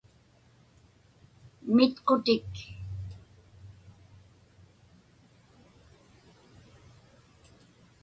mitqutik